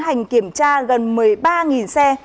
hành kiểm tra gần một mươi ba xe